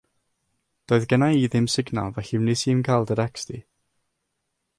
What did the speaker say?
Doedd genna i ddim signal felly wnes i 'im cael dy decst di.